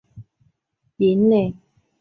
结合实际形成对检察工作的指导、引领